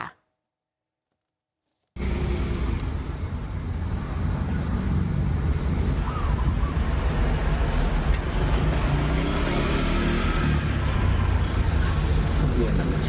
นี่